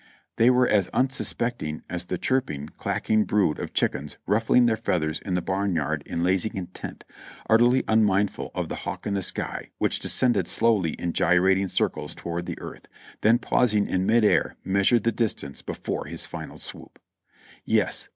They were as unsuspecting as the chirp ing, clacking brood of chickens ruffling their feathers in the barn yard in lazy content, utterly unmindful of the hawk in the sky which descended slowly in gyrating circles toward the earth, then pausing in mid air measured the distance before his final swoop. Yes!